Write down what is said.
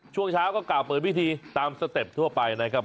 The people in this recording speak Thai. ช่วงเช้าก็กล่าวเปิดวิธีตามสเต็ปทั่วไปนะครับ